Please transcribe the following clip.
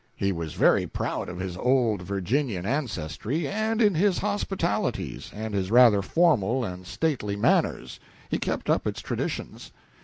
He was very proud of his old Virginian ancestry, and in his hospitalities and his rather formal and stately manners he kept up its traditions.